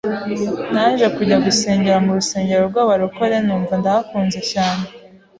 naje kujya gusengera mu rusengero rw’abarokore numva ndahakunze cyane